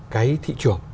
cái thị trường